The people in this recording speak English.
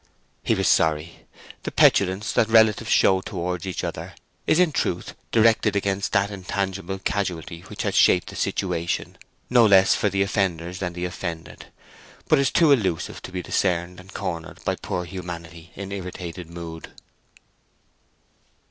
He was sorry. The petulance that relatives show towards each other is in truth directed against that intangible Causality which has shaped the situation no less for the offenders than the offended, but is too elusive to be discerned and cornered by poor humanity in irritated mood.